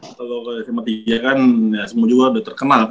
kalau sma tiga kan semua juga udah terkenal